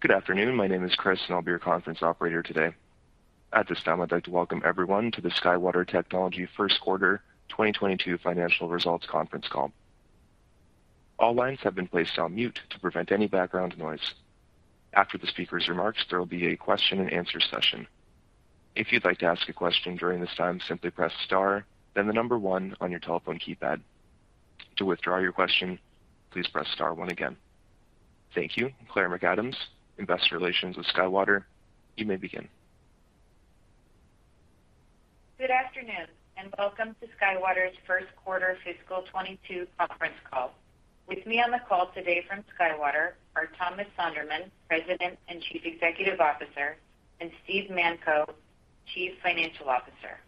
Good afternoon. My name is Chris, and I'll be your conference operator today. At this time, I'd like to welcome everyone to the SkyWater Technology first quarter 2022 financial results conference call. All lines have been placed on mute to prevent any background noise. After the speaker's remarks, there will be a question-and-answer session. If you'd like to ask a question during this time, simply press star, then the number one on your telephone keypad. To withdraw your question, please press star one again. Thank you. Claire McAdams, Investor Relations with SkyWater, you may begin. Good afternoon, and welcome to SkyWater's first quarter fiscal 2022 conference call. With me on the call today from SkyWater are Thomas Sonderman, President and Chief Executive Officer, and Steve Manko, Chief Financial Officer.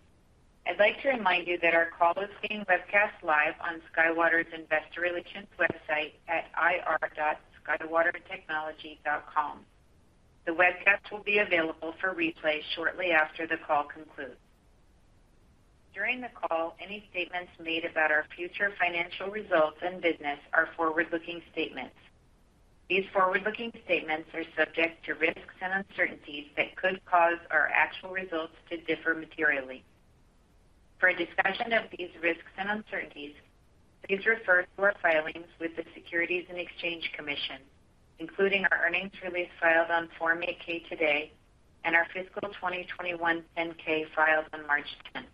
I'd like to remind you that our call is being webcast live on SkyWater's investor relations website at ir.skywatertechnology.com. The webcast will be available for replay shortly after the call concludes. During the call, any statements made about our future financial results and business are forward-looking statements. These forward-looking statements are subject to risks and uncertainties that could cause our actual results to differ materially. For a discussion of these risks and uncertainties, please refer to our filings with the Securities and Exchange Commission, including our earnings release filed on Form 8-K today and our fiscal 2021 10-K filed on March 10.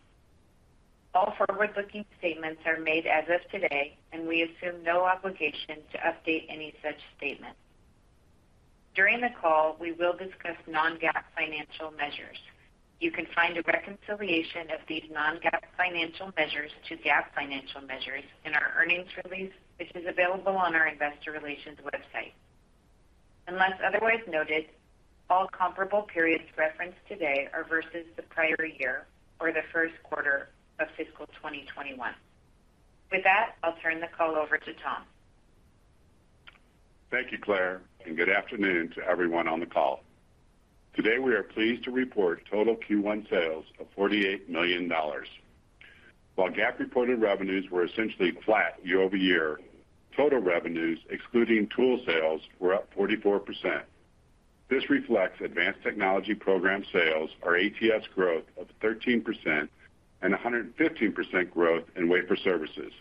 All forward-looking statements are made as of today, and we assume no obligation to update any such statement. During the call, we will discuss non-GAAP financial measures. You can find a reconciliation of these non-GAAP financial measures to GAAP financial measures in our earnings release, which is available on our investor relations website. Unless otherwise noted, all comparable periods referenced today are versus the prior year or the first quarter of fiscal 2021. With that, I'll turn the call over to Tom. Thank you, Claire, and good afternoon to everyone on the call. Today, we are pleased to report total Q1 sales of $48 million. While GAAP reported revenues were essentially flat year-over-year, total revenues excluding tool sales were up 44%. This reflects Advanced Technology Program sales or ATS growth of 13% and 115% growth in Wafer Services.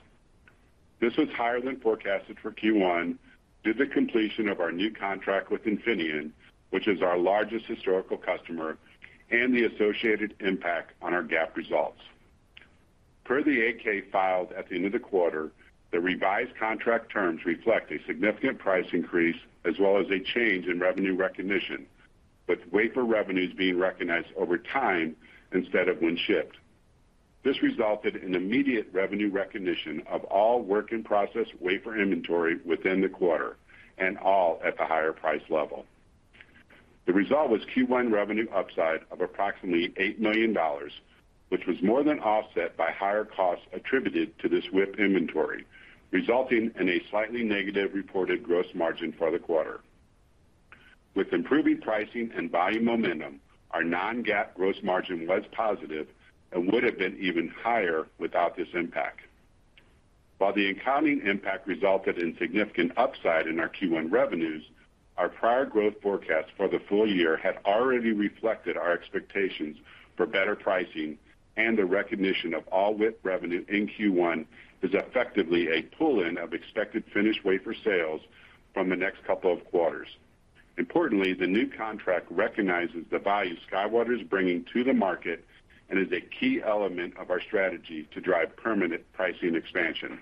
This was higher than forecasted for Q1 due to the completion of our new contract with Infineon, which is our largest historical customer, and the associated impact on our GAAP results. Per the 8-K filed at the end of the quarter, the revised contract terms reflect a significant price increase as well as a change in revenue recognition, with Wafer revenues being recognized over time instead of when shipped. This resulted in immediate revenue recognition of all work in process Wafer inventory within the quarter and all at the higher price level. The result was Q1 revenue upside of approximately $8 million, which was more than offset by higher costs attributed to this WIP inventory, resulting in a slightly negative reported gross margin for the quarter. With improving pricing and volume momentum, our non-GAAP gross margin was positive and would have been even higher without this impact. While the accounting impact resulted in significant upside in our Q1 revenues, our prior growth forecast for the full year had already reflected our expectations for better pricing, and the recognition of all WIP revenue in Q1 is effectively a pull-in of expected finished Wafer sales from the next couple of quarters. Importantly, the new contract recognizes the value SkyWater is bringing to the market and is a key element of our strategy to drive permanent pricing expansion.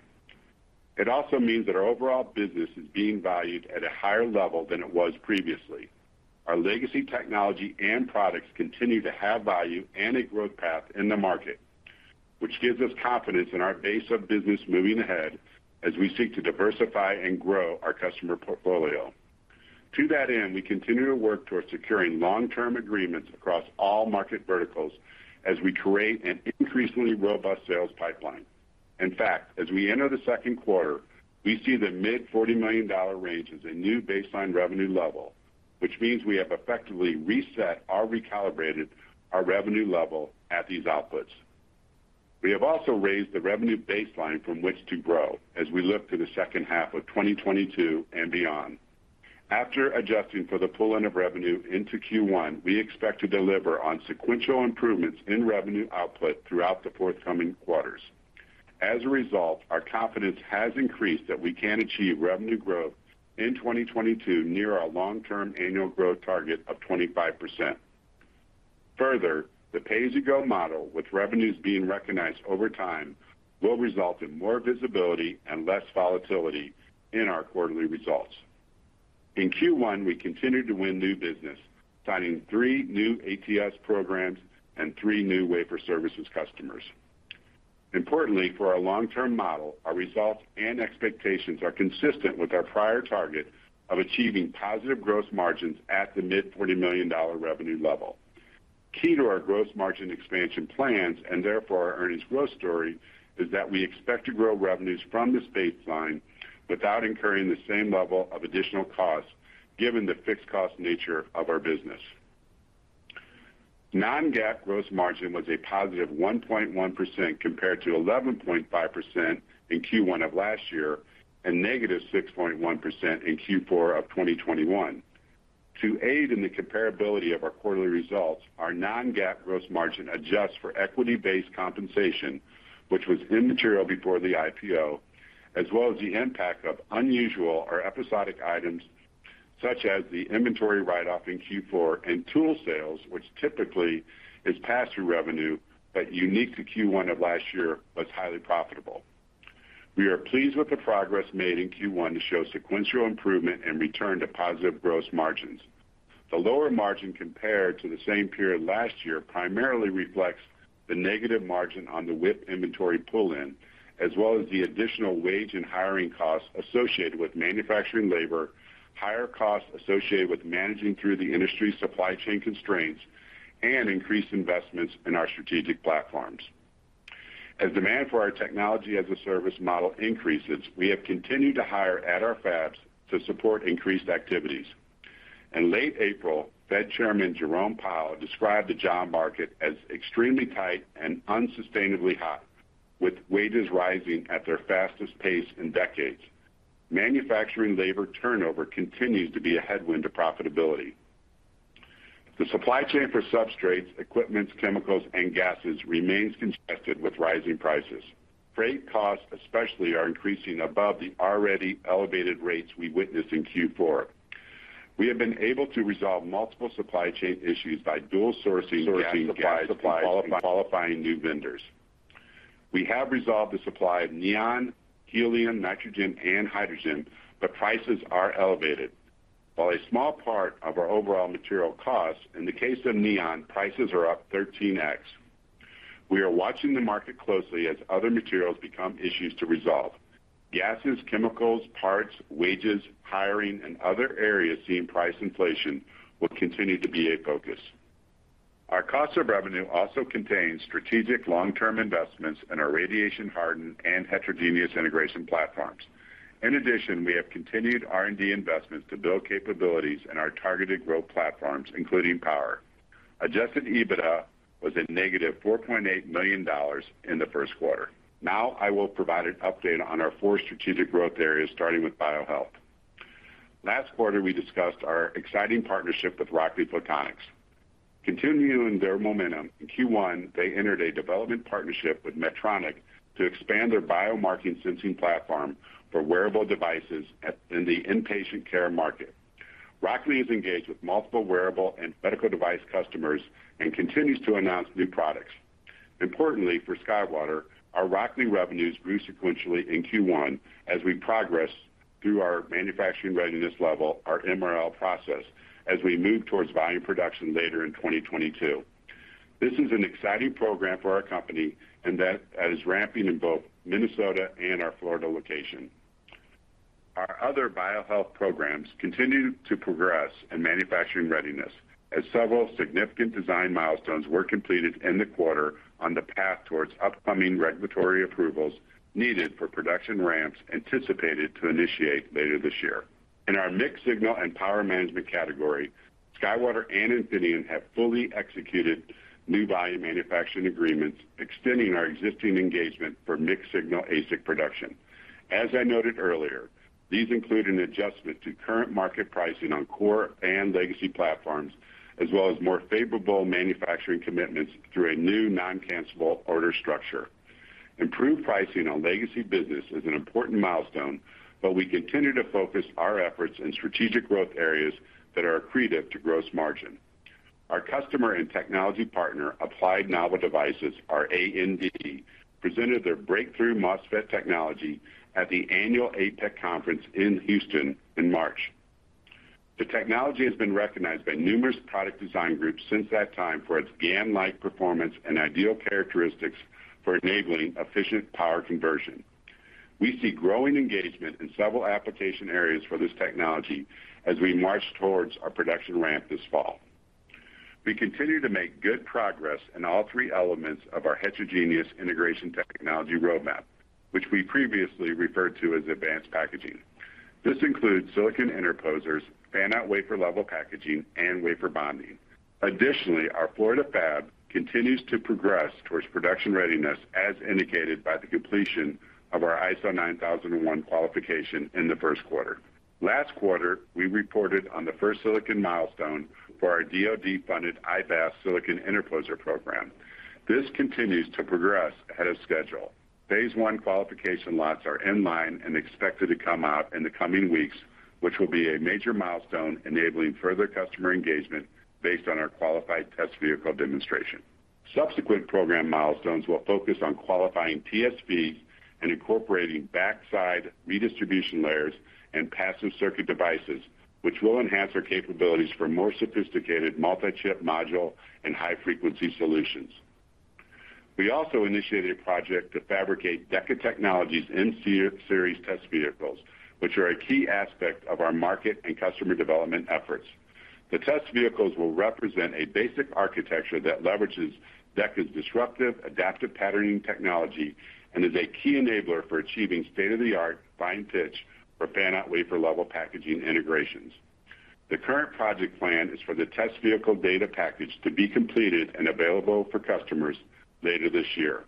It also means that our overall business is being valued at a higher level than it was previously. Our legacy technology and products continue to have value and a growth path in the market, which gives us confidence in our base of business moving ahead as we seek to diversify and grow our customer portfolio. To that end, we continue to work towards securing long-term agreements across all market verticals as we create an increasingly robust sales pipeline. In fact, as we enter the second quarter, we see the mid-$40 million range as a new baseline revenue level, which means we have effectively reset or recalibrated our revenue level at these outputs. We have also raised the revenue baseline from which to grow as we look to the second half of 2022 and beyond. After adjusting for the pull-in of revenue into Q1, we expect to deliver on sequential improvements in revenue output throughout the forthcoming quarters. As a result, our confidence has increased that we can achieve revenue growth in 2022 near our long-term annual growth target of 25%. Further, the pay-as-you-go model with revenues being recognized over time will result in more visibility and less volatility in our quarterly results. In Q1, we continued to win new business, signing three new ATS programs and three new Wafer Services customers. Importantly, for our long-term model, our results and expectations are consistent with our prior target of achieving positive gross margins at the mid-$40 million revenue level. Key to our gross margin expansion plans, and therefore our earnings growth story, is that we expect to grow revenues from this baseline without incurring the same level of additional costs given the fixed cost nature of our business. Non-GAAP gross margin was a positive 1.1% compared to 11.5% in Q1 of last year and -6.1% in Q4 of 2021. To aid in the comparability of our quarterly results, our non-GAAP gross margin adjusts for equity-based compensation, which was immaterial before the IPO, as well as the impact of unusual or episodic items such as the inventory write-off in Q4 and tool sales, which typically is pass-through revenue, but unique to Q1 of last year, was highly profitable. We are pleased with the progress made in Q1 to show sequential improvement and return to positive gross margins. The lower margin compared to the same period last year primarily reflects the negative margin on the WIP inventory pull-in, as well as the additional wage and hiring costs associated with manufacturing labor, higher costs associated with managing through the industry supply chain constraints, and increased investments in our strategic platforms. As demand for our technology as a service model increases, we have continued to hire at our fabs to support increased activities. In late April, Fed Chairman Jerome Powell described the job market as extremely tight and unsustainably hot, with wages rising at their fastest pace in decades. Manufacturing labor turnover continues to be a headwind to profitability. The supply chain for substrates, equipment, chemicals, and gases remains congested with rising prices. Freight costs especially are increasing above the already elevated rates we witnessed in Q4. We have been able to resolve multiple supply chain issues by dual sourcing gas supplies and qualifying new vendors. We have resolved the supply of neon, helium, nitrogen, and hydrogen, but prices are elevated. While a small part of our overall material costs, in the case of neon, prices are up 13x. We are watching the market closely as other materials become issues to resolve. Gases, chemicals, parts, wages, hiring, and other areas seeing price inflation will continue to be a focus. Our cost of revenue also contains strategic long-term investments in our Radiation-Hardened and heterogeneous integration platforms. In addition, we have continued R&D investments to build capabilities in our targeted growth platforms, including power. Adjusted EBITDA was -$4.8 million in the first quarter. Now I will provide an update on our four strategic growth areas, starting with BioHealth. Last quarter, we discussed our exciting partnership with Rockley Photonics. Continuing their momentum, in Q1, they entered a development partnership with Medtronic to expand their biomarker sensing platform for wearable devices in the inpatient care market. Rockley is engaged with multiple wearable and medical device customers and continues to announce new products. Importantly for SkyWater, our Rockley revenues grew sequentially in Q1 as we progress through our manufacturing readiness level, our MRL process, as we move towards volume production later in 2022. This is an exciting program for our company and that is ramping in both Minnesota and our Florida location. Our other BioHealth programs continue to progress in manufacturing readiness as several significant design milestones were completed in the quarter on the path towards upcoming regulatory approvals needed for production ramps anticipated to initiate later this year. In our mixed-signal and Power Management category, SkyWater and Infineon have fully executed new volume manufacturing agreements extending our existing engagement for mixed-signal ASIC production. As I noted earlier, these include an adjustment to current market pricing on core and legacy platforms, as well as more favorable manufacturing commitments through a new non-cancellable order structure. Improved pricing on legacy business is an important milestone, but we continue to focus our efforts in strategic growth areas that are accretive to gross margin. Our customer and technology partner, Applied Novel Devices, or AND, presented their breakthrough MOSFET technology at the annual APEC conference in Houston in March. The technology has been recognized by numerous product design groups since that time for its GaN-like performance and ideal characteristics for enabling efficient power conversion. We see growing engagement in several application areas for this technology as we march towards our production ramp this fall. We continue to make good progress in all three elements of our heterogeneous integration technology roadmap, which we previously referred to as advanced packaging. This includes silicon interposers, Fan-Out Wafer Level Packaging, and Wafer bonding. Additionally, our Florida fab continues to progress towards production readiness as indicated by the completion of our ISO 9001 qualification in the first quarter. Last quarter, we reported on the first silicon milestone for our DoD-funded IBAS silicon interposer program. This continues to progress ahead of schedule. Phase I qualification lots are in line and expected to come out in the coming weeks, which will be a major milestone enabling further customer engagement based on our qualified test vehicle demonstration. Subsequent program milestones will focus on qualifying TSVs and incorporating backside redistribution layers and passive circuit devices, which will enhance our capabilities for more sophisticated multi-chip module and high-frequency solutions. We also initiated a project to fabricate Deca Technologies' M-Series test vehicles, which are a key aspect of our market and customer development efforts. The test vehicles will represent a basic architecture that leverages Deca's disruptive Adaptive Patterning technology and is a key enabler for achieving state-of-the-art fine pitch for Fan-Out Wafer Level Packaging integration. The current project plan is for the test vehicle data package to be completed and available for customers later this year.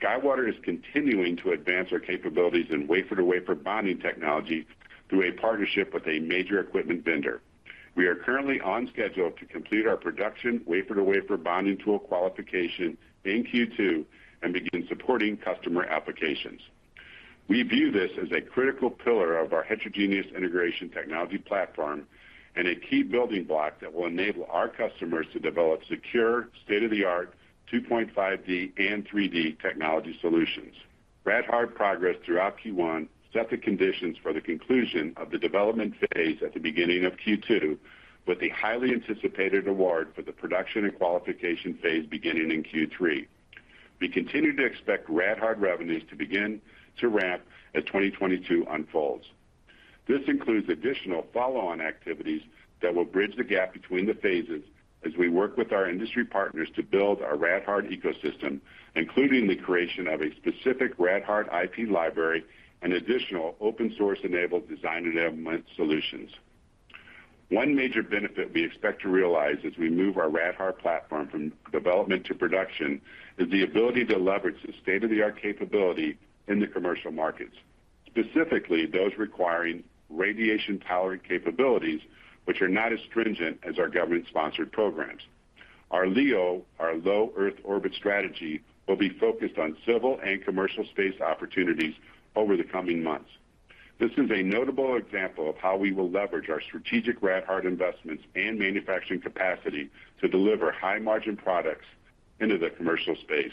SkyWater is continuing to advance our capabilities in wafer-to-wafer bonding technology through a partnership with a major equipment vendor. We are currently on schedule to complete our production wafer-to-wafer bonding tool qualification in Q2 and begin supporting customer applications. We view this as a critical pillar of our heterogeneous integration technology platform and a key building block that will enable our customers to develop secure, state-of-the-art 2.5D and 3D technology solutions. Rad-Hard progress throughout Q1 set the conditions for the conclusion of the development phase at the beginning of Q2 with the highly anticipated award for the production and qualification phase beginning in Q3. We continue to expect Rad-Hard revenues to begin to ramp as 2022 unfolds. This includes additional follow-on activities that will bridge the gap between the phases as we work with our industry partners to build our Rad-Hard ecosystem, including the creation of a specific Rad-Hard IP library and additional open source enabled design and development solutions. One major benefit we expect to realize as we move our Rad-Hard platform from development to production is the ability to leverage the state-of-the-art capability in the commercial markets, specifically those requiring radiation-tolerant capabilities which are not as stringent as our government sponsored programs. Our LEO, our low-Earth orbit strategy, will be focused on civil and commercial space opportunities over the coming months. This is a notable example of how we will leverage our strategic Rad-Hard investments and manufacturing capacity to deliver high margin products into the commercial space.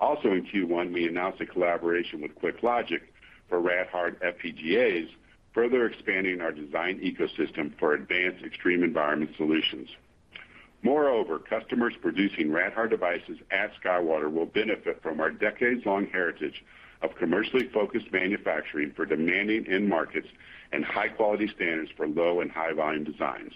Also in Q1, we announced a collaboration with QuickLogic for Rad-Hard FPGAs, further expanding our design ecosystem for advanced extreme environment solutions. Moreover, customers producing Rad-Hard devices at SkyWater will benefit from our decades-long heritage of commercially focused manufacturing for demanding end markets and high quality standards for low and high volume designs.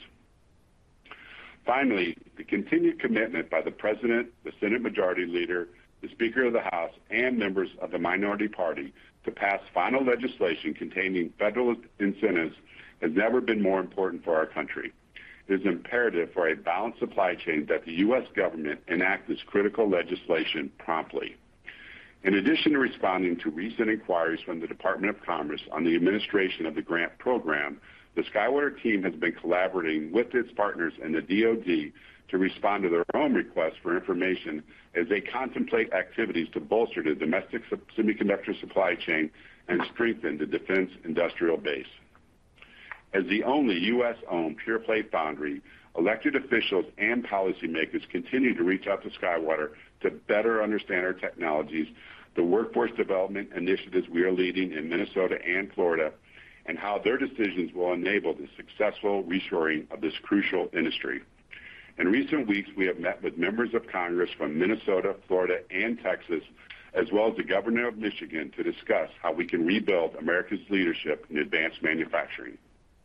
Finally, the continued commitment by the President, the Senate Majority Leader, the Speaker of the House, and members of the minority party to pass final legislation containing federal incentives has never been more important for our country. It is imperative for a balanced supply chain that the U.S. government enact this critical legislation promptly. In addition to responding to recent inquiries from the Department of Commerce on the administration of the grant program, the SkyWater team has been collaborating with its partners in the DoD to respond to their own requests for information as they contemplate activities to bolster the domestic semiconductor supply chain and strengthen the defense industrial base. As the only U.S. owned pure play foundry, elected officials and policymakers continue to reach out to SkyWater to better understand our technologies, the workforce development initiatives we are leading in Minnesota and Florida, and how their decisions will enable the successful reshoring of this crucial industry. In recent weeks, we have met with members of Congress from Minnesota, Florida and Texas, as well as the governor of Michigan, to discuss how we can rebuild America's leadership in advanced manufacturing.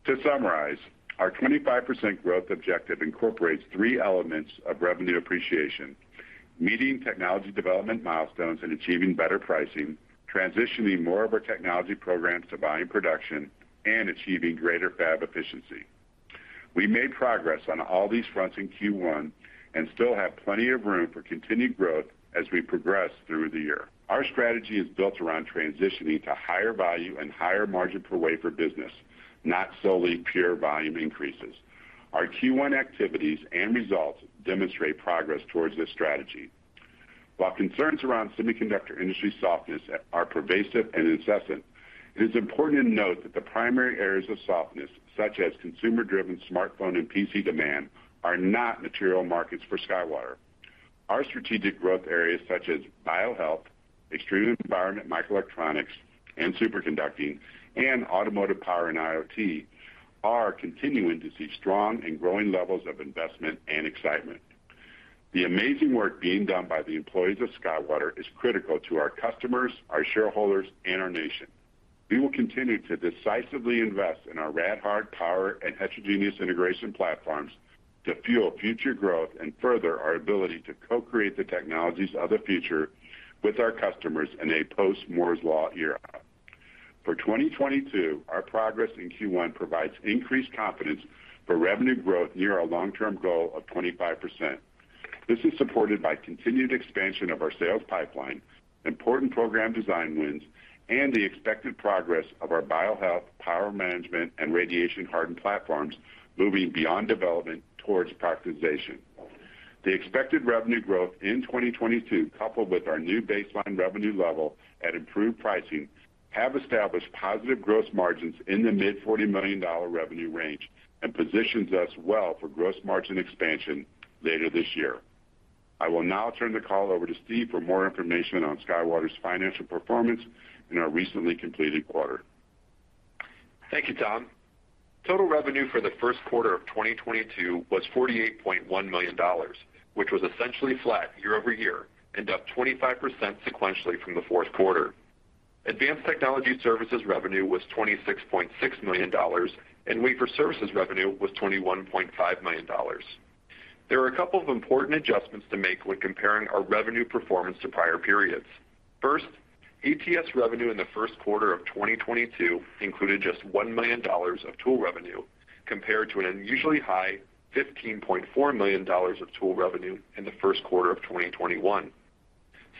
To summarize, our 25% growth objective incorporates three elements of revenue appreciation, meeting technology development milestones and achieving better pricing, transitioning more of our technology programs to volume production, and achieving greater fab efficiency. We made progress on all these fronts in Q1 and still have plenty of room for continued growth as we progress through the year. Our strategy is built around transitioning to higher value and higher margin per Wafer business, not solely pure volume increases. Our Q1 activities and results demonstrate progress towards this strategy. While concerns around semiconductor industry softness are pervasive and incessant, it is important to note that the primary areas of softness, such as consumer driven smartphone and PC demand, are not material markets for SkyWater. Our strategic growth areas such as BioHealth, extreme environment microelectronics and superconducting, and automotive power and IoT are continuing to see strong and growing levels of investment and excitement. The amazing work being done by the employees of SkyWater is critical to our customers, our shareholders, and our nation. We will continue to decisively invest in our Rad-Hard power and heterogeneous integration platforms to fuel future growth and further our ability to co-create the technologies of the future with our customers in a post-Moore's Law era. For 2022, our progress in Q1 provides increased confidence for revenue growth near our long-term goal of 25%. This is supported by continued expansion of our sales pipeline, important program design wins, and the expected progress of our BioHealth, Power Management, and Radiation-Hardened platforms moving beyond development towards productization. The expected revenue growth in 2022, coupled with our new baseline revenue level and improved pricing, have established positive gross margins in the mid-$40 million revenue range and positions us well for gross margin expansion later this year. I will now turn the call over to Steve for more information on SkyWater's financial performance in our recently completed quarter. Thank you, Tom. Total revenue for the first quarter of 2022 was $48.1 million, which was essentially flat year-over-year and up 25% sequentially from the fourth quarter. Advanced Technology Services revenue was $26.6 million, and Wafer Services revenue was $21.5 million. There are a couple of important adjustments to make when comparing our revenue performance to prior periods. First, ATS revenue in the first quarter of 2022 included just $1 million of tool revenue compared to an unusually high $15.4 million of tool revenue in the first quarter of 2021.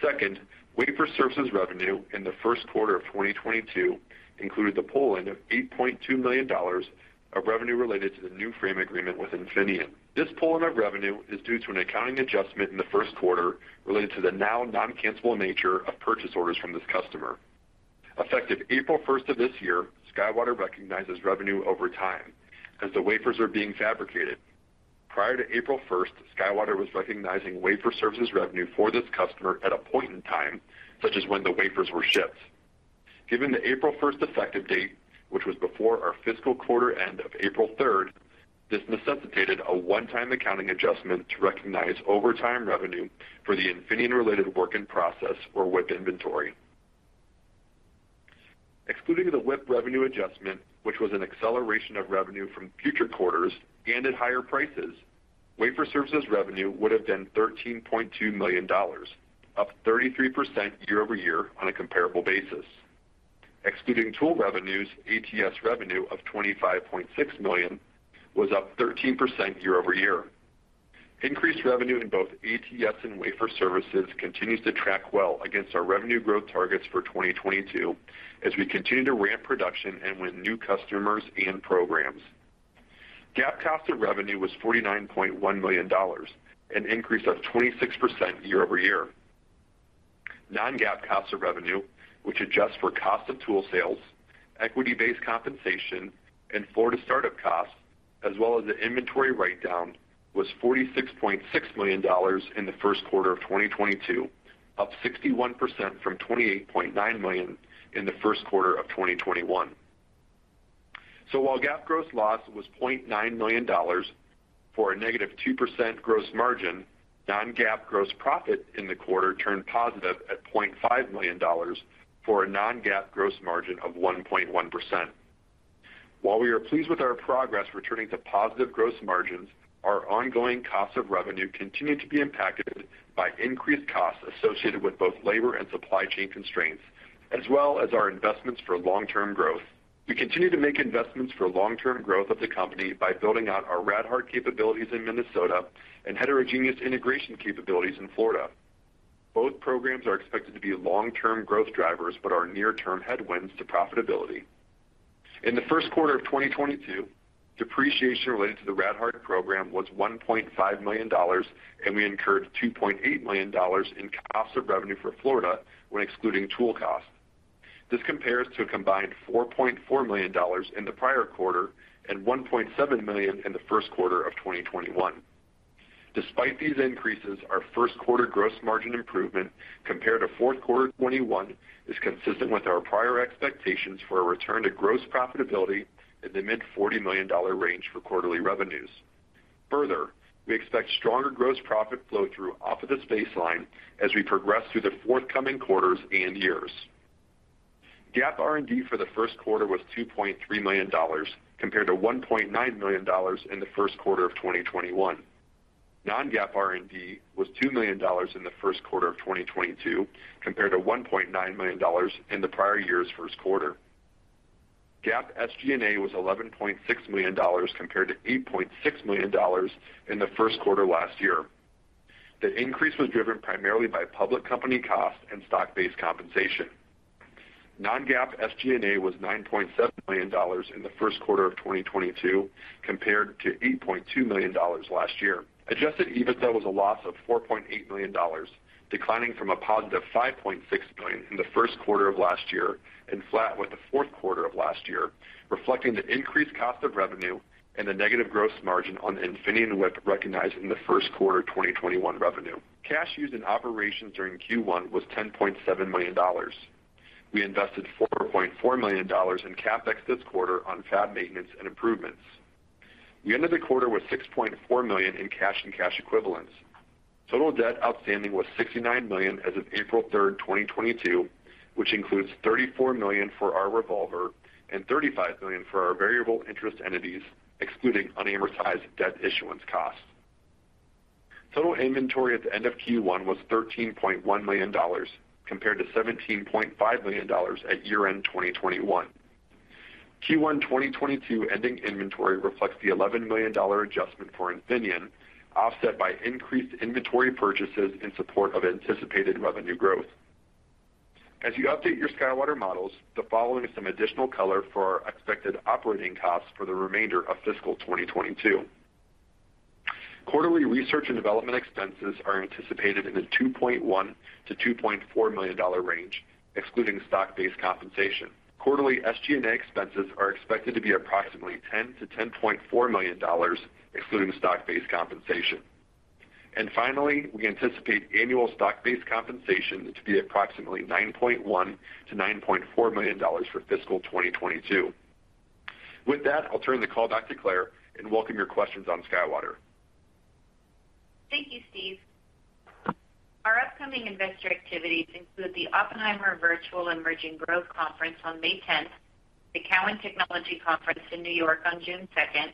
Second, Wafer Services revenue in the first quarter of 2022 included the pull-in of $8.2 million of revenue related to the new frame agreement with Infineon. This pull-in of revenue is due to an accounting adjustment in the first quarter related to the now non-cancelable nature of purchase orders from this customer. Effective April 1 of this year, SkyWater recognizes revenue over time as the Wafers are being fabricated. Prior to April 1, SkyWater was recognizing Wafer Services revenue for this customer at a point in time, such as when the Wafers were shipped. Given the April 1 effective date, which was before our fiscal quarter end of April 3, this necessitated a one-time accounting adjustment to recognize over time revenue for the Infineon-related work in process or WIP inventory. Excluding the WIP revenue adjustment, which was an acceleration of revenue from future quarters and at higher prices, Wafer services revenue would have been $13.2 million, up 33% year-over-year on a comparable basis. Excluding tool revenues, ATS revenue of $25.6 million was up 13% year-over-year. Increased revenue in both ATS and Wafer Services continues to track well against our revenue growth targets for 2022 as we continue to ramp production and win new customers and programs. GAAP cost of revenue was $49.1 million, an increase of 26% year-over-year. Non-GAAP cost of revenue, which adjusts for cost of tool sales, equity-based compensation, and Florida startup costs, as well as the inventory write-down, was $46.6 million in the first quarter of 2022, up 61% from $28.9 million in the first quarter of 2021. While GAAP gross loss was $0.9 million for a -2% gross margin, non-GAAP gross profit in the quarter turned positive at $0.5 million for a non-GAAP gross margin of 1.1%. While we are pleased with our progress returning to positive gross margins, our ongoing cost of revenue continued to be impacted by increased costs associated with both labor and supply chain constraints, as well as our investments for long-term growth. We continue to make investments for long-term growth of the company by building out our Rad-Hard capabilities in Minnesota and heterogeneous integration capabilities in Florida. Both programs are expected to be long-term growth drivers, but are near-term headwinds to profitability. In the first quarter of 2022, depreciation related to the Rad-Hard program was $1.5 million, and we incurred $2.8 million in cost of revenue for Florida when excluding tool costs. This compares to a combined $4.4 million in the prior quarter and $1.7 million in the first quarter of 2021. Despite these increases, our first quarter gross margin improvement compared to fourth quarter 2021 is consistent with our prior expectations for a return to gross profitability in the mid-$40 million range for quarterly revenues. Further, we expect stronger gross profit flow through off of this baseline as we progress through the forthcoming quarters and years. GAAP R&D for the first quarter was $2.3 million compared to $1.9 million in the first quarter of 2021. Non-GAAP R&D was $2 million in the first quarter of 2022 compared to $1.9 million in the prior year's first quarter. GAAP SG&A was $11.6 million compared to $8.6 million in the first quarter last year. The increase was driven primarily by public company costs and stock-based compensation. Non-GAAP SG&A was $9.7 million in the first quarter of 2022 compared to $8.2 million last year. Adjusted EBITDA was a loss of $4.8 million, declining from a positive $5.6 million in the first quarter of last year and flat with the fourth quarter of last year, reflecting the increased cost of revenue and the negative gross margin on the Infineon WIP recognized in the first quarter of 2021 revenue. Cash used in operations during Q1 was $10.7 million. We invested $4.4 million in CapEx this quarter on fab maintenance and improvements. We ended the quarter with $6.4 million in cash and cash equivalents. Total debt outstanding was $69 million as of April third, 2022, which includes $34 million for our revolver and $35 million for our variable interest entities, excluding unamortized debt issuance costs. Total inventory at the end of Q1 was $13.1 million compared to $17.5 million at year-end 2021. Q1 2022 ending inventory reflects the $11 million adjustment for Infineon, offset by increased inventory purchases in support of anticipated revenue growth. As you update your SkyWater models, the following is some additional color for our expected operating costs for the remainder of fiscal 2022. Quarterly research and development expenses are anticipated in the $2.1 million-$2.4 million-dollar range, excluding stock-based compensation. Quarterly SG&A expenses are expected to be approximately $10 million-$10.4 million, excluding stock-based compensation. Finally, we anticipate annual stock-based compensation to be approximately $9.1 million-$9.4 million for fiscal 2022. With that, I'll turn the call back to Claire and welcome your questions on SkyWater. Thank you, Steve. Upcoming investor activities include the Oppenheimer Virtual Emerging Growth Conference on May 10th, the Cowen Technology Conference in New York on June 2nd,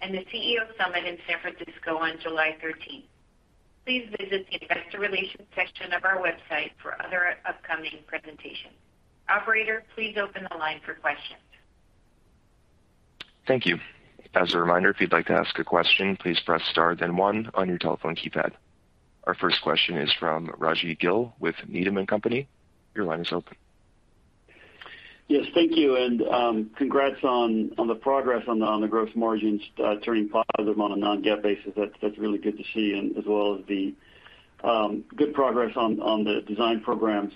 and the CEO Summit in San Francisco on July 13th. Please visit the investor relations section of our website for other upcoming presentations. Operator, please open the line for questions. Thank you. As a reminder, if you'd like to ask a question, please press star then one on your telephone keypad. Our first question is from Rajiv Gill with Needham & Company. Your line is open. Yes, thank you. Congrats on the progress on the gross margins turning positive on a non-GAAP basis. That's really good to see and as well as the good progress on the design programs.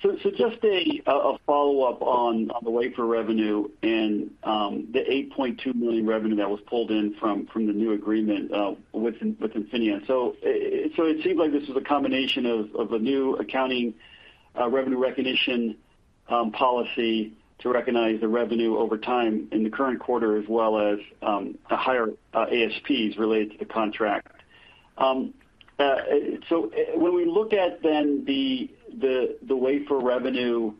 Just a follow-up on the Wafer revenue and the $8.2 million revenue that was pulled in from the new agreement with Infineon. It seems like this is a combination of a new accounting revenue recognition policy to recognize the revenue over time in the current quarter as well as a higher ASPs related to the contract. When we look at the Wafer revenue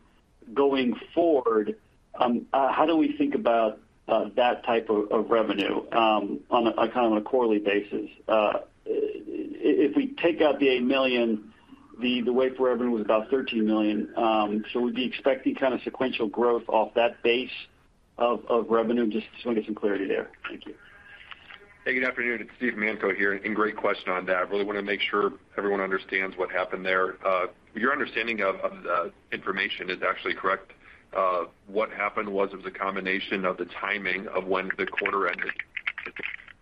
going forward, how do we think about that type of revenue, like, on a quarterly basis? If we take out the $8 million, the Wafer revenue was about $13 million, so we'd be expecting kind of sequential growth off that base of revenue. Just want to get some clarity there. Thank you. Hey, good afternoon. It's Steve Manko here, and great question on that. Really want to make sure everyone understands what happened there. Your understanding of the information is actually correct. What happened was it was a combination of the timing of when the quarter ended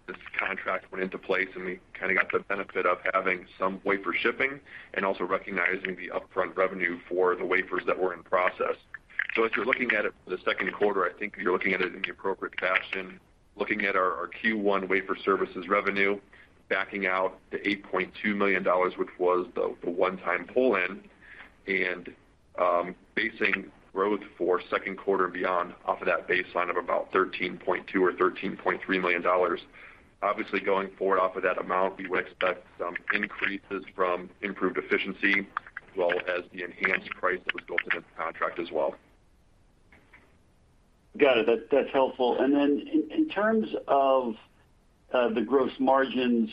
this contract went into place, and we kind of got the benefit of having some Wafer shipping and also recognizing the upfront revenue for the wafers that were in process. As you're looking at it for the second quarter, I think you're looking at it in the appropriate fashion, looking at our Q1 Wafer Services revenue, backing out the $8.2 million, which was the one-time pull-in, and basing growth for second quarter and beyond off of that baseline of about $13.2 million or $13.3 million. Obviously, going forward off of that amount, we would expect some increases from improved efficiency as well as the enhanced price that was built into the contract as well. Got it. That's helpful. In terms of the gross margins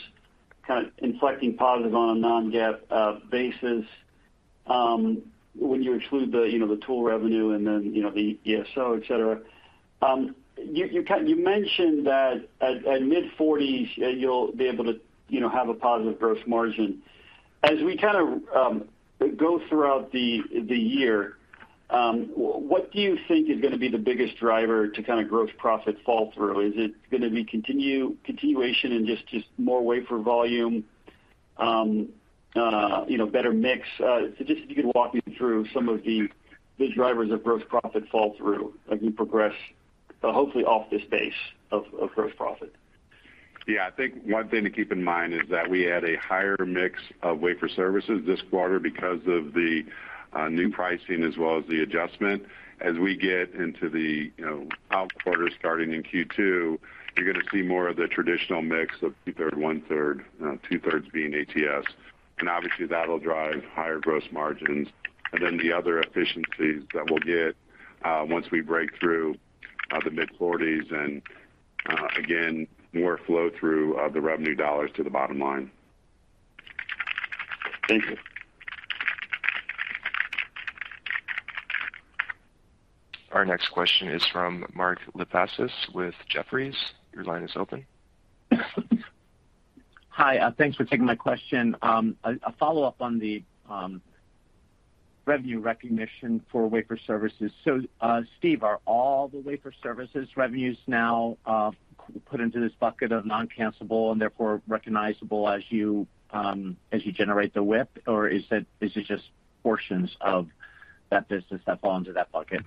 kind of inflecting positive on a non-GAAP basis, when you exclude, you know, the tool revenue and then, you know, the ESO, et cetera, you mentioned that at mid-forties, you'll be able to, you know, have a positive gross margin. As we kind of go throughout the year, what do you think is going to be the biggest driver to kind of gross profit flow-through? Is it going to be continuation and just more Wafer volume, you know, better mix? Just if you could walk me through some of the drivers of gross profit flow-through as we progress, hopefully off this base of gross profit. Yeah. I think one thing to keep in mind is that we had a higher mix of Wafer Services this quarter because of the new pricing as well as the adjustment. As we get into the, you know, other quarters starting in Q2, you're going to see more of the traditional mix of 2/3, 1/3, 2/3 being ATS, and obviously that'll drive higher gross margins. The other efficiencies that we'll get once we break through the mid-forties and again, more flow through of the revenue dollars to the bottom line. Thank you. Our next question is from Mark Lipacis with Jefferies. Your line is open. Hi, thanks for taking my question. A follow-up on the revenue recognition for Wafer Services. Steve, are all the Wafer Services revenues now put into this bucket of non-cancelable and therefore recognizable as you generate the WIP? Or is it just portions of that business that fall into that bucket?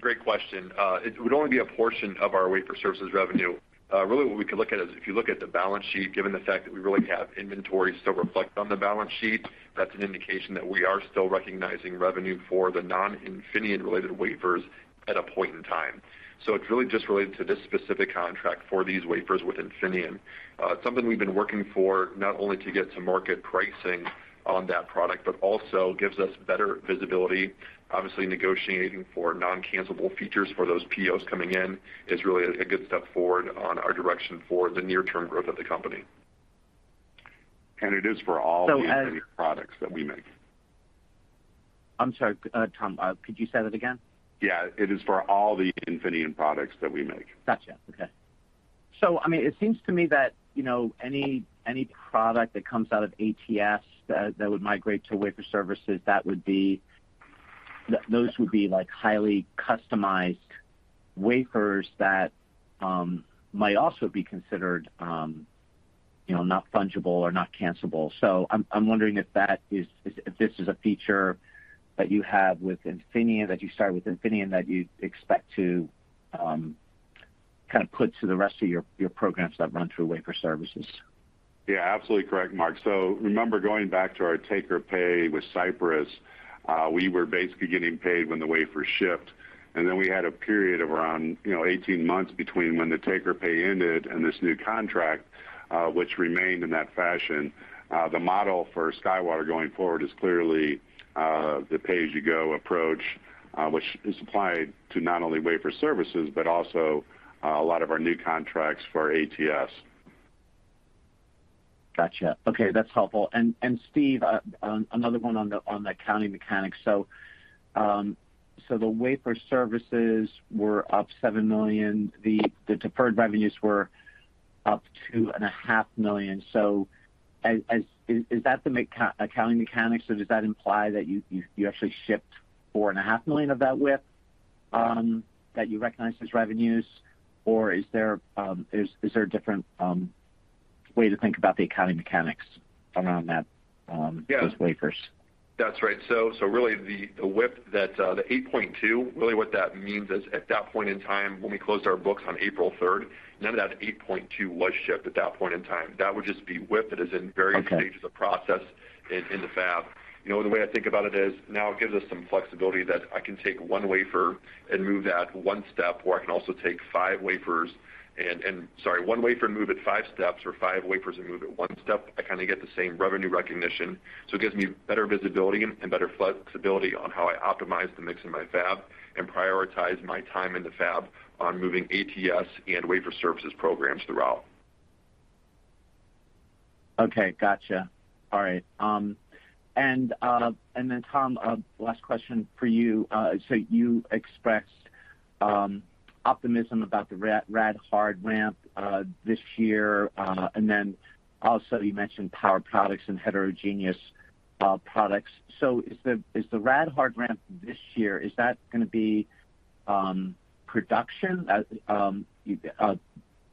Great question. It would only be a portion of our Wafer services revenue. Really what we could look at is if you look at the balance sheet, given the fact that we really have inventory still reflected on the balance sheet, that's an indication that we are still recognizing revenue for the non-Infineon related wafers at a point in time. It's really just related to this specific contract for these wafers with Infineon. It's something we've been working for not only to get some market pricing on that product, but also gives us better visibility. Obviously, negotiating for non-cancelable features for those POs coming in is really a good step forward on our direction for the near-term growth of the company. And it is for all- So, uh- Infineon products that we make. I'm sorry, Tom, could you say that again? Yeah. It is for all the Infineon products that we make. Gotcha. Okay. I mean, it seems to me that, you know, any product that comes out of ATS that would migrate to Wafer Services, those would be like highly customized wafers that might also be considered, you know, not fungible or not cancelable. I'm wondering if this is a feature that you have with Infineon, that you started with Infineon, that you expect to kind of put to the rest of your programs that run through Wafer Services. Yeah, absolutely correct, Mark. Remember going back to our take or pay with Cypress, we were basically getting paid when the Wafer shipped, and then we had a period of around 18 months between when the take or pay ended and this new contract, which remained in that fashion. The model for SkyWater going forward is clearly the pay-as-you-go approach, which is applied to not only Wafer Services, but also a lot of our new contracts for ATS. Gotcha. Okay, that's helpful. Steve, another one on the accounting mechanics. So the Wafer Services were up $7 million. The deferred revenues were up $2.5 million. Is that the accounting mechanics, or does that imply that you actually shipped $4.5 million of that WIP that you recognized as revenues? Or is there a different way to think about the accounting mechanics around that? Yeah. Those wafers? That's right. Really the WIP that the $8.2, really what that means is, at that point in time, when we closed our books on April third, none of that $8.2 was shipped at that point in time. That would just be WIP that is in various- Okay. Stages of process in the fab. You know, the way I think about it is, now it gives us some flexibility that I can take one wafer and move it five steps or five wafers and move it one step. I kind of get the same revenue recognition. It gives me better visibility and better flexibility on how I optimize the mix in my fab and prioritize my time in the fab on moving ATS and Wafer Services programs throughout. Okay. Gotcha. All right. Tom, last question for you. You expressed optimism about the Rad-Hard ramp this year. Also you mentioned power products and heterogeneous products. Is the Rad-Hard ramp this year gonna be production as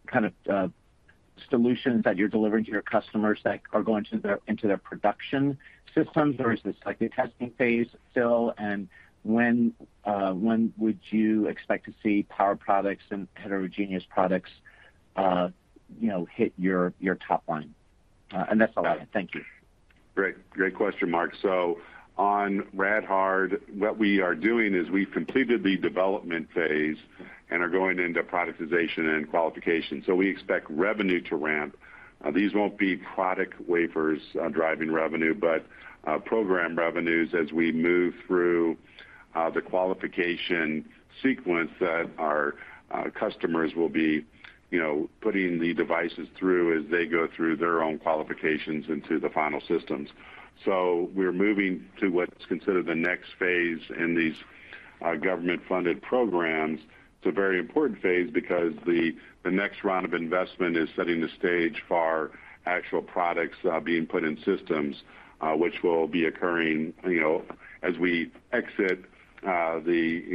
kind of solutions that you're delivering to your customers that are going into their production systems? Or is this like a testing phase still? When would you expect to see power products and heterogeneous products you know hit your top line? That's all I have. Thank you. Great. Great question, Mark. On Rad-Hard, what we are doing is we've completed the development phase and are going into productization and qualification. We expect revenue to ramp. These won't be product Wafers, driving revenue, but, program revenues as we move through, the qualification sequence that our, customers will be, you know, putting the devices through as they go through their own qualifications into the final systems. We're moving to what's considered the next phase in these, government-funded programs. It's a very important phase because the next round of investment is setting the stage for actual products, being put in systems, which will be occurring, you know, as we exit, the, you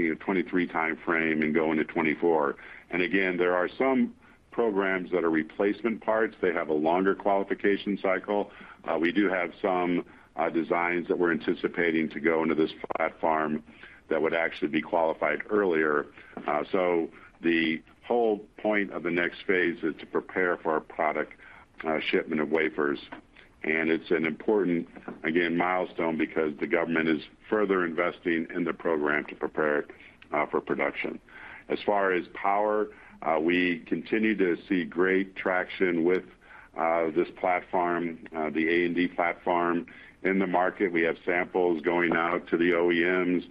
know, 2023 timeframe and go into 2024. Again, there are some programs that are replacement parts. They have a longer qualification cycle. We do have some designs that we're anticipating to go into this platform that would actually be qualified earlier. The whole point of the next phase is to prepare for a product shipment of Wafers. It's an important milestone because the government is further investing in the program to prepare for production. As far as power, we continue to see great traction with this platform, the AND platform in the market. We have samples going out to the OEMs.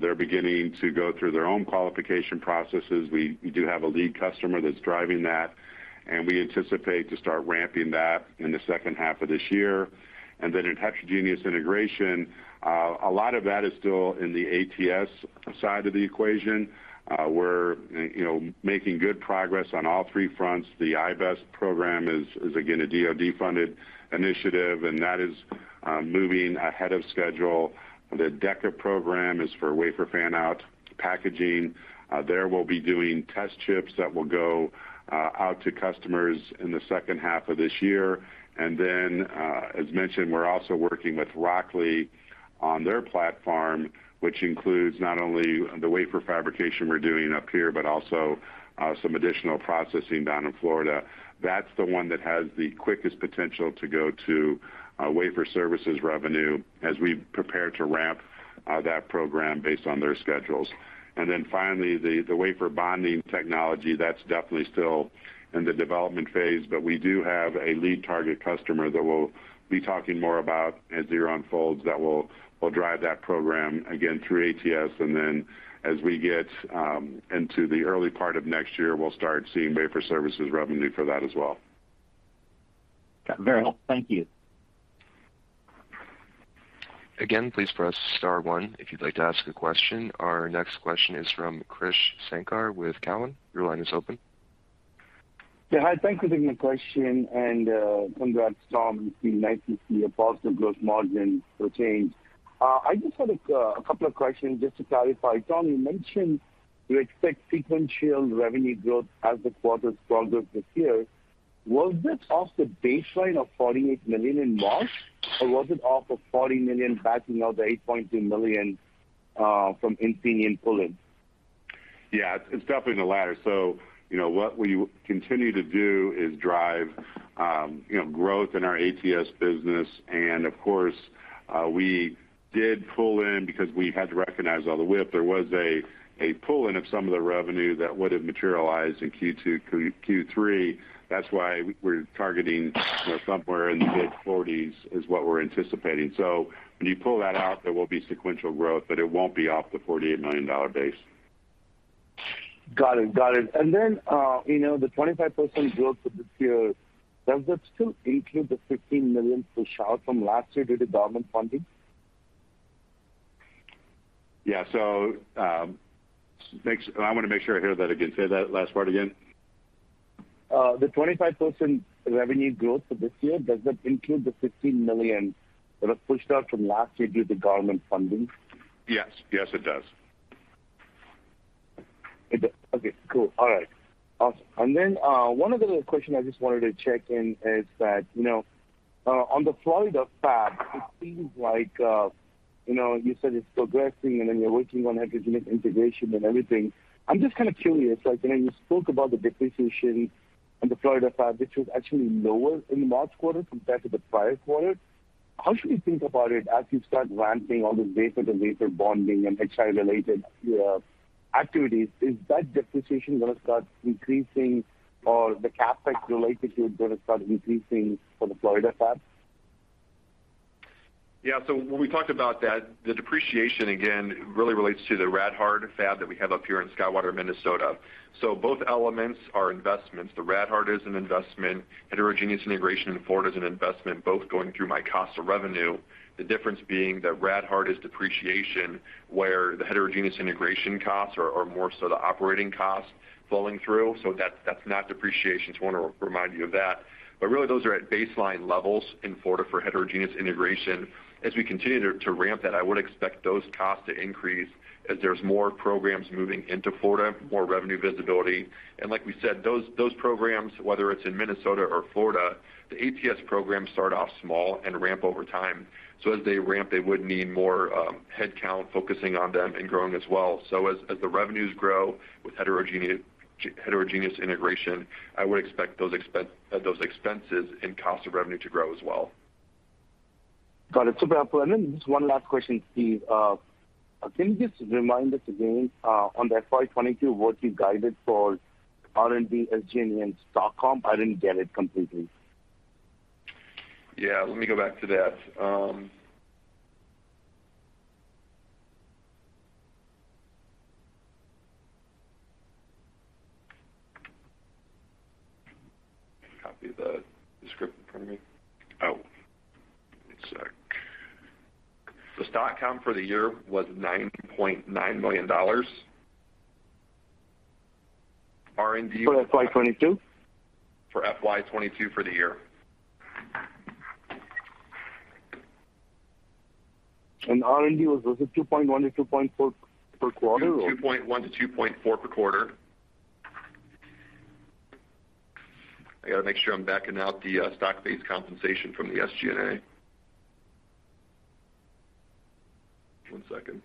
They're beginning to go through their own qualification processes. We do have a lead customer that's driving that, and we anticipate to start ramping that in the second half of this year. In heterogeneous integration, a lot of that is still in the ATS side of the equation. We're you know making good progress on all three fronts. The IBAS program is again a DoD-funded initiative, and that is moving ahead of schedule. The Deca program is for Wafer fan-out packaging. There we'll be doing test chips that will go out to customers in the second half of this year. As mentioned, we're also working with Rockley on their platform, which includes not only the Wafer fabrication we're doing up here, but also some additional processing down in Florida. That's the one that has the quickest potential to go to Wafer Services revenue as we prepare to ramp that program based on their schedules. Finally, the Wafer bonding technology, that's definitely still in the development phase. We do have a lead target customer that we'll be talking more about as the year unfolds that will drive that program again through ATS. As we get into the early part of next year, we'll start seeing Wafer Services revenue for that as well. Got very helpful. Thank you. Again, please press star one if you'd like to ask a question. Our next question is from Krish Sankar with Cowen. Your line is open. Yeah. Hi, thank you for taking the question and, congrats, Tom. It's been nice to see a positive gross margin for a change. I just had a couple of questions just to clarify. Tom, you mentioned you expect sequential revenue growth as this quarter is stronger this year. Was this off the baseline of $48 million in March, or was it off of $40 million backing out the $8.2 million from Infineon pull-in. Yeah, it's definitely the latter. You know, what we continue to do is drive growth in our ATS business. Of course, we did pull in because we had to recognize all the WIP. There was a pull in of some of the revenue that would have materialized in Q2 to Q3. That's why we're targeting, you know, somewhere in the mid-$40s is what we're anticipating. When you pull that out, there will be sequential growth, but it won't be off the $48 million base. Got it. You know, the 25% growth for this year, does that still include the $15 million pushed out from last year due to government funding? Yeah. I want to make sure I hear that again. Say that last part again. The 25% revenue growth for this year, does that include the $15 million that was pushed out from last year due to government funding? Yes. Yes, it does. It does. Okay, cool. All right. One other question I just wanted to check in is that, you know, on the Florida fab, it seems like, you know, you said it's progressing, and then you're working on heterogeneous integration and everything. I'm just kind of curious, like, you know, you spoke about the depreciation on the Florida fab, which was actually lower in the last quarter compared to the prior quarter. How should we think about it as you start ramping all the wafer-to-wafer bonding and HI-related activities, is that depreciation going to start increasing or the CapEx related to it going to start increasing for the Florida fab? Yeah. When we talked about that, the depreciation, again, really relates to the Rad-Hard fab that we have up here in SkyWater, Minnesota. Both elements are investments. The Rad-Hard is an investment. Heterogeneous integration in Florida is an investment, both going through my cost of revenue. The difference being that Rad-Hard is depreciation, where the heterogeneous integration costs are more so the operating costs flowing through. That's not depreciation. Just wanted to remind you of that. Really, those are at baseline levels in Florida for heterogeneous integration. As we continue to ramp that, I would expect those costs to increase as there's more programs moving into Florida, more revenue visibility. Like we said, those programs, whether it's in Minnesota or Florida, the ATS programs start off small and ramp over time. As they ramp, they would need more headcount focusing on them and growing as well. As the revenues grow with heterogeneous integration, I would expect those expenses and cost of revenue to grow as well. Got it. Super helpful. Just one last question, Steve. Can you just remind us again, on the FY 2022, what you guided for R&D, SG&A, and stock comp? I didn't get it completely. Yeah, let me go back to that. Let me copy the script in front of me. Oh, give me a sec. The stock comp for the year was $9.9 million. R&D was- For FY 2022? For FY 2022 for the year. Was R&D $2.1-$2.4 per quarter or? $2.1-$2.4 per quarter. I got to make sure I'm backing out the stock-based compensation from the SG&A. One second.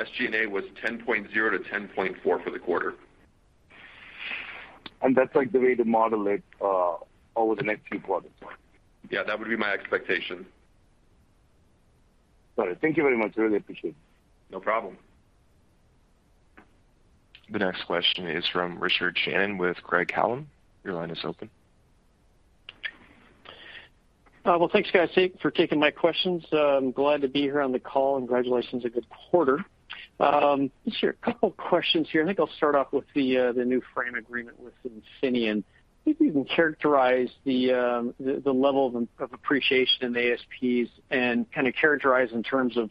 SG&A was $10.0-$10.4 for the quarter. That's like the way to model it over the next few quarters, right? Yeah, that would be my expectation. Got it. Thank you very much. Really appreciate it. No problem. The next question is from Richard Shannon with Craig-Hallum. Your line is open. Well, thanks, guys, for taking my questions. I'm glad to be here on the call, and congratulations, a good quarter. I just have a couple of questions here. I think I'll start off with the new framework agreement with Infineon. If you can characterize the level of appreciation in the ASPs and kind of characterize in terms of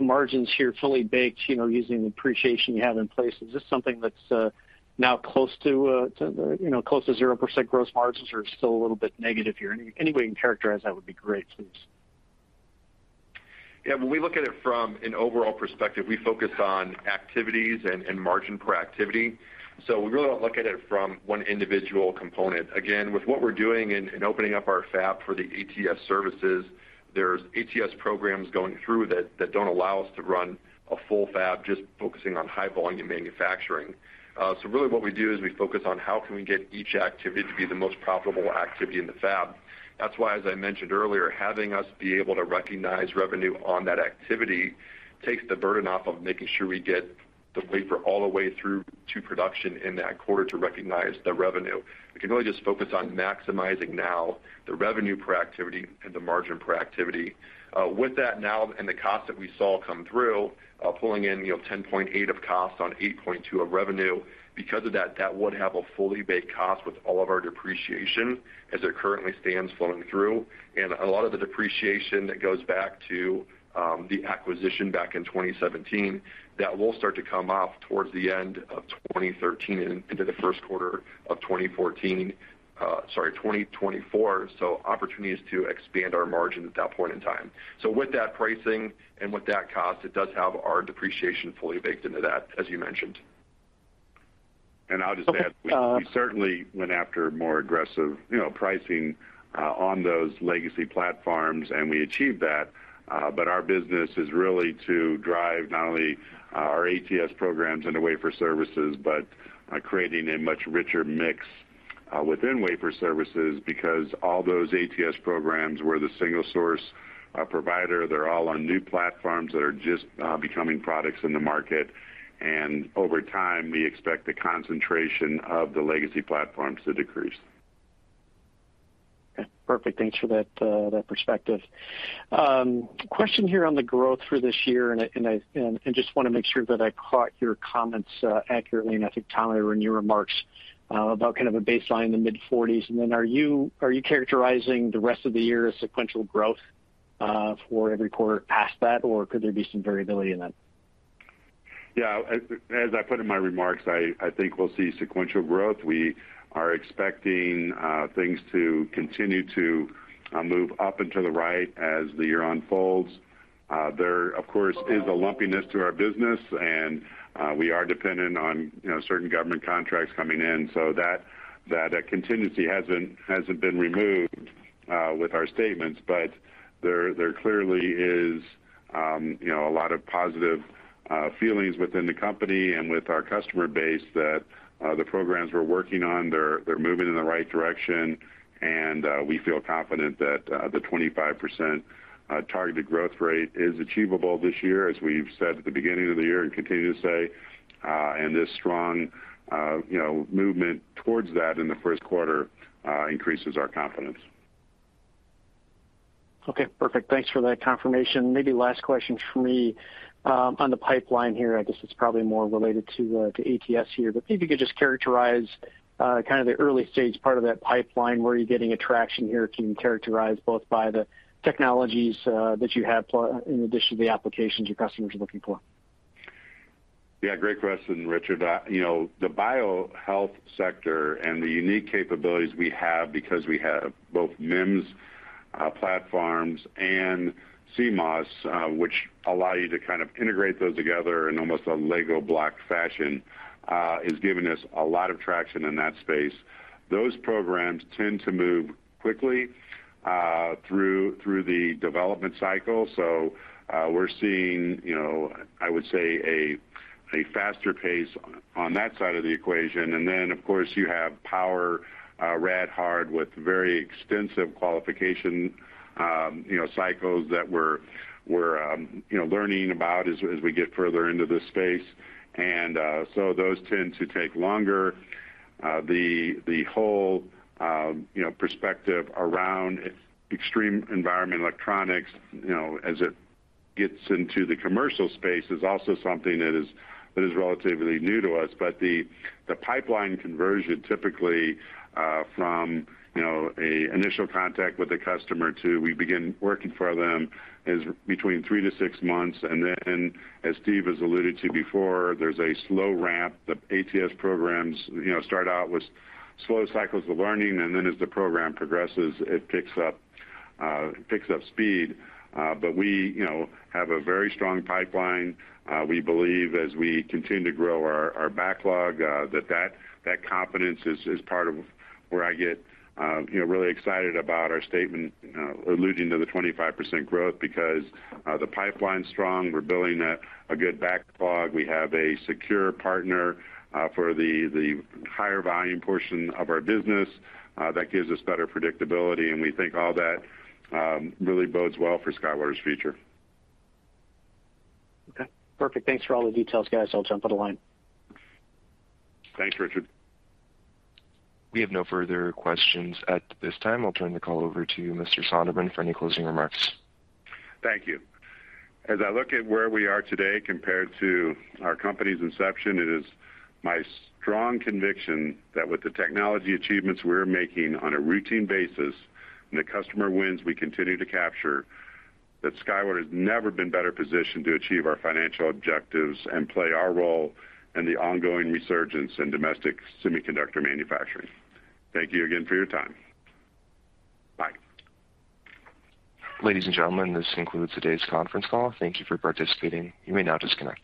margins here fully baked, you know, using the appreciation you have in place. Is this something that's now close to, you know, close to zero percent gross margins or still a little bit negative here? Any way you can characterize that would be great, please. Yeah. When we look at it from an overall perspective, we focus on activities and margin per activity. We really don't look at it from one individual component. Again, with what we're doing in opening up our fab for the ATS services, there's ATS programs going through that that don't allow us to run a full fab just focusing on high-volume manufacturing. Really what we do is we focus on how can we get each activity to be the most profitable activity in the fab. That's why, as I mentioned earlier, having us be able to recognize revenue on that activity takes the burden off of making sure we get the Wafer all the way through to production in that quarter to recognize the revenue. We can really just focus on maximizing now the revenue per activity and the margin per activity. With that now and the cost that we saw come through, pulling in, you know, $10.8 of cost on $8.2 of revenue, because of that would have a fully baked cost with all of our depreciation as it currently stands flowing through. A lot of the depreciation that goes back to, the acquisition back in 2017, that will start to come off towards the end of 2013 and into the first quarter of 2014. Sorry, 2024. Opportunities to expand our margin at that point in time. With that pricing and with that cost, it does have our depreciation fully baked into that, as you mentioned. I'll just add, we certainly went after more aggressive, you know, pricing on those legacy platforms, and we achieved that. Our business is really to drive not only our ATS programs into Wafer Services, but by creating a much richer mix within Wafer Services because all those ATS programs were the single source provider. They're all on new platforms that are just becoming products in the market. Over time, we expect the concentration of the legacy platforms to decrease. Okay, perfect. Thanks for that perspective. Question here on the growth for this year, and I just wanna make sure that I caught your comments accurately, and I think, Thomas, they were in your remarks, about kind of a baseline in the mid-40s. Are you characterizing the rest of the year as sequential growth for every quarter past that, or could there be some variability in that? Yeah. As I put in my remarks, I think we'll see sequential growth. We are expecting things to continue to move up and to the right as the year unfolds. There, of course, is a lumpiness to our business, and we are dependent on, you know, certain government contracts coming in. That contingency hasn't been removed with our statements. There clearly is, you know, a lot of positive feelings within the company and with our customer base that the programs we're working on. They're moving in the right direction, and we feel confident that the 25% targeted growth rate is achievable this year, as we've said at the beginning of the year and continue to say, and this strong, you know, movement towards that in the first quarter increases our confidence. Okay, perfect. Thanks for that confirmation. Maybe last question from me on the pipeline here. I guess it's probably more related to ATS here, but maybe you could just characterize kind of the early-stage part of that pipeline, where you're getting traction here. Can you characterize both by the technologies that you have in addition to the applications your customers are looking for? Yeah, great question, Richard. You know, the BioHealth sector and the unique capabilities we have because we have both MEMS platforms and CMOS which allow you to kind of integrate those together in almost a Lego block fashion has given us a lot of traction in that space. Those programs tend to move quickly through the development cycle. We're seeing, you know, I would say a faster pace on that side of the equation. Of course, you have power Rad-Hard with very extensive qualification cycles that we're learning about as we get further into this space. Those tend to take longer. The whole perspective around extreme environment electronics, you know, as it gets into the commercial space is also something that is relatively new to us. The pipeline conversion typically from an initial contact with the customer to we begin working for them is between 3-6 months. Then, as Steve has alluded to before, there's a slow ramp. The ATS programs, you know, start out with slow cycles of learning, and then as the program progresses, it picks up speed. We have a very strong pipeline. We believe as we continue to grow our backlog, that confidence is part of where I get really excited about our statement alluding to the 25% growth because the pipeline's strong. We're building a good backlog. We have a secure partner for the higher volume portion of our business that gives us better predictability, and we think all that really bodes well for SkyWater's future. Okay, perfect. Thanks for all the details, guys. I'll jump off the line. Thanks, Richard. We have no further questions at this time. I'll turn the call over to you, Mr. Sonderman, for any closing remarks. Thank you. As I look at where we are today compared to our company's inception, it is my strong conviction that with the technology achievements we're making on a routine basis and the customer wins we continue to capture, that SkyWater has never been better positioned to achieve our financial objectives and play our role in the ongoing resurgence in domestic semiconductor manufacturing. Thank you again for your time. Bye. Ladies and gentlemen, this concludes today's conference call. Thank you for participating. You may now disconnect.